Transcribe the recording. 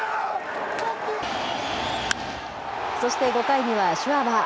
そして５回にはシュワーバー。